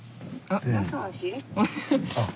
あっ。